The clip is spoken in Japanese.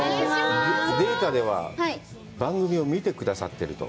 データでは番組を見てくださってると。